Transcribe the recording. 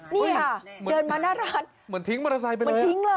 นี่ค่ะเดินมาหน้าร้าน